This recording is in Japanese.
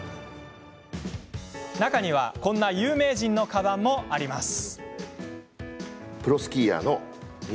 中には、こんな有名人のかばんもあるんです。